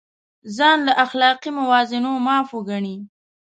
ځان له اخلاقي موازینو معاف وګڼي.